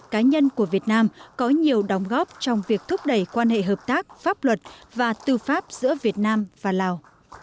các cá nhân của việt nam có nhiều đóng góp trong việc thúc đẩy quan hệ hợp tác pháp luật và tư pháp giữa việt nam và lào